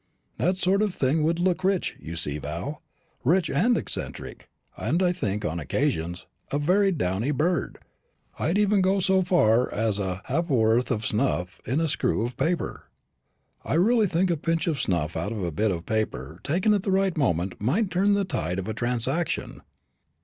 That sort of thing would look rich, you see, Val rich and eccentric; and I think on occasions with a very downy bird I'd even go so far as a halfp'orth of snuff in a screw of paper. I really think a pinch of snuff out of a bit of paper, taken at the right moment, might turn the tide of a transaction."